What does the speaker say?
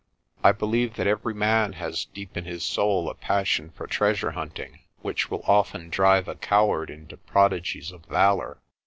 I believe that every man has deep in his soul a passion for treasure hunting, which will often drive a coward into prodigies of valour.